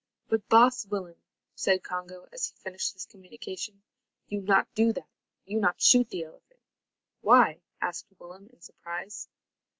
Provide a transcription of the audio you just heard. "But, baas Willem," said Congo, as he finished this communication, "you not do that, you not shoot the elephant." "Why?" asked Willem, in surprise.